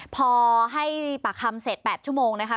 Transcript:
พอให้ปากคำเสร็จ๘ชั่วโมงนะคะ